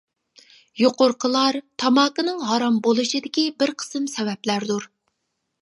يۇقىرىقىلار تاماكىنىڭ ھارام بولۇشىدىكى بىر قىسىم سەۋەبلەردۇر.